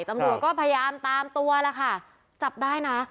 ตำรวจก็พยายามตามตัวแล้วค่ะจับได้นะ